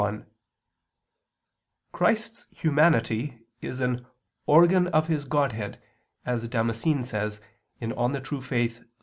1: Christ's humanity is an "organ of His Godhead," as Damascene says (De Fide Orth.